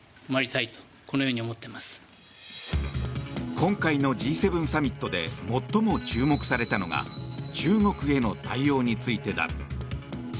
今回のＧ７サミットで最も注目されたのが中国への対応についてだ。